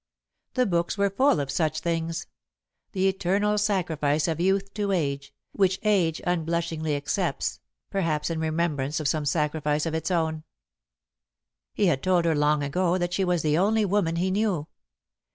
The books were full of such things the eternal sacrifice of youth to age, which age unblushingly accepts, perhaps in remembrance of some sacrifice of its own. He had told her, long ago, that she was the only woman he knew.